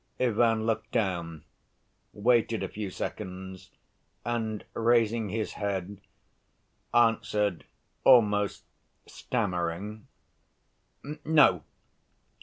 Ivan looked down, waited a few seconds and, raising his head, answered, almost stammering: "No